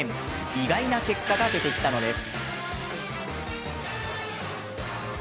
意外な結果が出てきたのです。